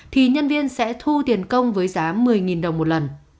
thì nhân viên sẽ thu tiền công với giá một mươi đồng một lần